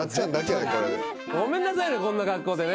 ごめんなさいねこんな格好でね。